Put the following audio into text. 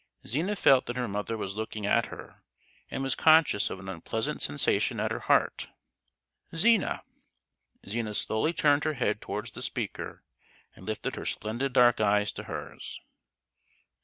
Zina felt that her mother was looking at her, and was conscious of an unpleasant sensation at her heart. "Zina!" Zina slowly turned her head towards the speaker, and lifted her splendid dark eyes to hers.